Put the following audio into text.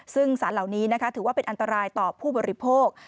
ซึ่งสารเหล่านี้ถือว่าเป็นอันตรายต่อผู้บริโภค